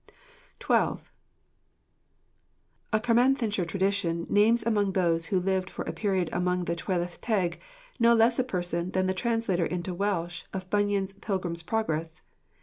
FOOTNOTE: 'Camb. Sup.,' 349. XII. A Carmarthenshire tradition names among those who lived for a period among the Tylwyth Teg no less a person than the translator into Welsh of Bunyan's 'Pilgrim's Progress.'